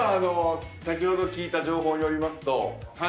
先ほど聞いた情報によりますと。